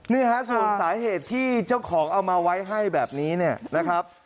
นี่ฮะส่วนสาเหตุที่เจ้าของเอามาไว้ให้แบบนี้เนี่ยนะครับ